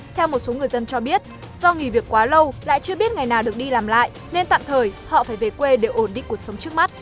theo một số người dân cho biết do nghỉ việc quá lâu lại chưa biết ngày nào được đi làm lại nên tạm thời họ phải về quê để ổn định cuộc sống trước mắt